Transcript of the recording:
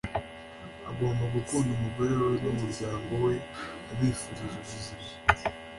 Agomba gukunda umugore we n’umuryango we abifuriza ubuzima